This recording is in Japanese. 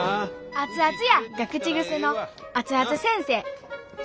「熱々や」が口癖の熱々先生熱々やで。